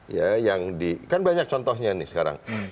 ya yang di kan banyak contohnya nih sekarang